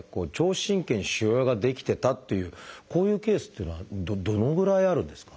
神経に腫瘍が出来てたっていうこういうケースっていうのはどのぐらいあるんですか？